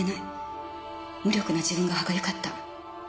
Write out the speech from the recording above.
無力な自分が歯がゆかった。